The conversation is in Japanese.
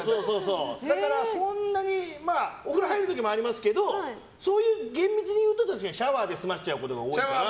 だからそんなにお風呂入るときもありますけど厳密に言うとシャワーで済ましちゃうことが多いから。